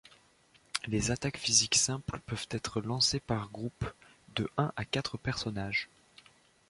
Les attaques physiques simples peuvent être lancées par groupe, de un à quatre personnages.